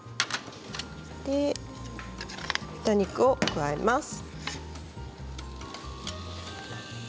豚肉を加えます。